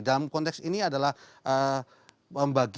dalam konteks ini adalah membagi